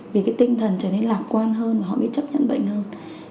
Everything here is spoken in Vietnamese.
vì cái tinh thần trở nên lạc quan hơn và họ biết chấp nhận bệnh hơn